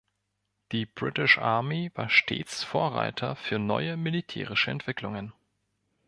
Die "British Army" war stets Vorreiter für neue militärische Entwicklungen.